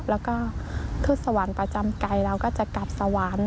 แล้วก็ขึ้นสวรรค์ประจำไก่เราก็จะกลับสวรรค์